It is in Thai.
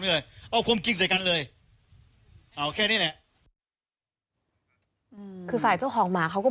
เลยเอาความกินใส่กันเลยเอาแค่นี้แหละอืมคือฝ่ายเจ้าของหมาเขาก็